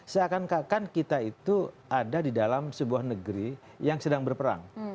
seakan akan kita itu ada di dalam sebuah negeri yang sedang berperang